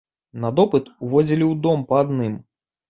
На допыт уводзілі ў дом па адным.